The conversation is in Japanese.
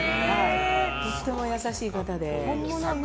とても優しい方で。